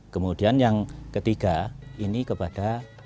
kemudian yang ketiga ini kepada